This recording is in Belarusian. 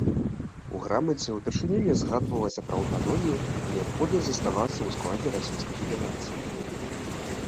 У грамаце ўпершыню не згадвалася пра аўтаномію і неабходнасць заставацца ў складзе расійскай федэрацыі.